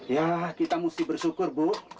ya kita mesti bersyukur bu